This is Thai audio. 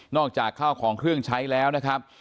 อกจากข้าวของเครื่องใช้แล้วนะครับ